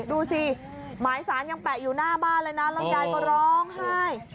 ดูสิหมายสารยังแปะอยู่หน้าบ้านเลยนะแล้วยายก็ร้องไห้